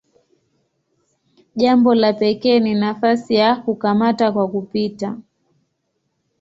Jambo la pekee ni nafasi ya "kukamata kwa kupita".